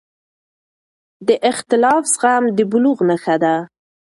د اختلاف زغم د بلوغ نښه ده